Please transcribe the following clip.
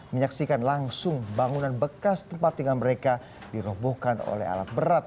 menyaksikan langsung bangunan bekas tempat tinggal mereka dirobohkan oleh alat berat